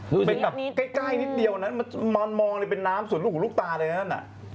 แค่ใกล้นิดเดียวมันมองเลยเป็นน้ำสุดลูกหูลูกตาใดนั่น